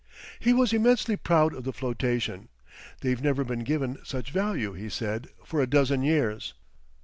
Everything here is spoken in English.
He was immensely proud of the flotation. "They've never been given such value," he said, "for a dozen years."